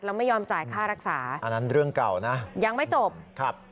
แล้วไม่ยอมจ่ายค่ารักษาอันนั้นเรื่องเก่านะยังไม่จบครับ